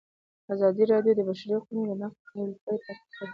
ازادي راډیو د د بشري حقونو نقض د تحول لړۍ تعقیب کړې.